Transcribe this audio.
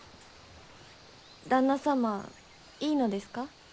旦那様いいのですか？